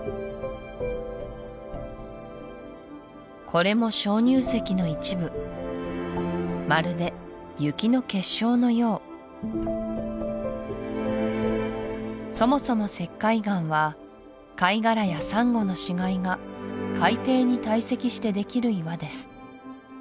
これも鍾乳石の一部まるで雪の結晶のようそもそも石灰岩は貝殻やサンゴの死骸が海底に堆積してできる岩です